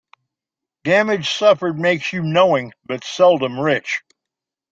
Damage suffered makes you knowing, but seldom rich.